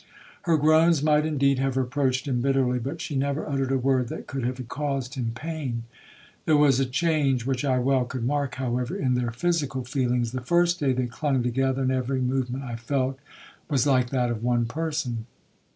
Her groans might indeed have reproached him bitterly, but she never uttered a word that could have caused him pain. There was a change which I well could mark, however, in their physical feelings. The first day they clung together, and every movement I felt was like that of one person.